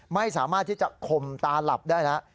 ไม่สามารถที่จะข่มตาหลับได้แล้ว